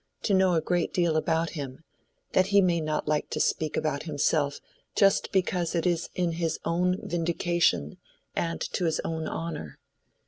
—to know a great deal about him, that he may not like to speak about himself just because it is in his own vindication and to his own honor.